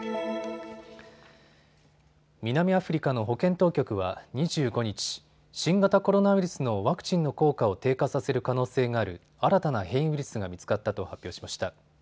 南アフリカの保健当局は２５日、新型コロナウイルスのワクチンの効果を低下させる可能性がある新たな変異ウイルスが見つかったと発表しました。